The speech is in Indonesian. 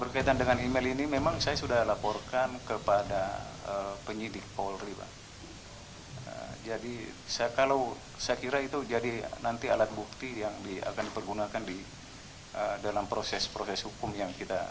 tidak mengganggu penyidikan yang dilakukan oleh polri tentunya